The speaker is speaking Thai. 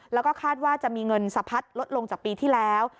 แล้วก็คาดว่าจะมีเงินสะพัดลดลงจากปีที่แล้ว